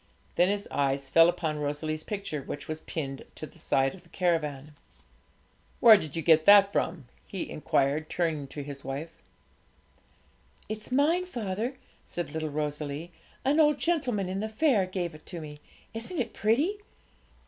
Then his eyes fell upon Rosalie's picture, which was pinned to the side of the caravan. 'Where did you get that from?' he inquired, turning to his wife. 'It's mine, father,' said little Rosalie; 'an old gentleman in the fair gave it to me. Isn't it pretty?'